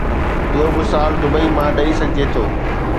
ٻيو مثال دبئي مان ڏئي سگهجي ٿو.